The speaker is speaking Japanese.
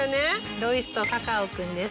ロイスとカカオくんです。